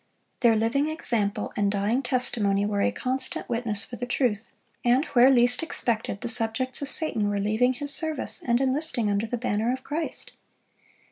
Their living example and dying testimony were a constant witness for the truth; and where least expected, the subjects of Satan were leaving his service, and enlisting under the banner of Christ.